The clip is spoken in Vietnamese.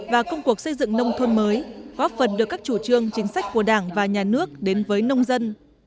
và công cuộc xây dựng nông thôn mới góp phần đưa các chủ trương chính sách của đảng và nhà nước đến với nông dân